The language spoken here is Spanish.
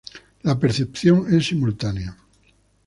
La percepción es simultánea.